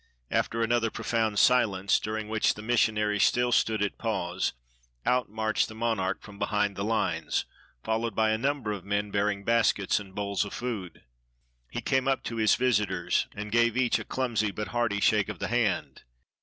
After another profound silence, during which the mis sionaries still stood at pause, out marched the monarch from behind the lines, followed by a number of men bearing baskets and bowls of food. He came up to his visitors, and gave each a clumsy but hearty shake of the hand.